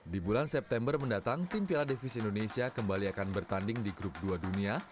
di bulan september mendatang tim piala davis indonesia kembali akan bertanding di grup dua dunia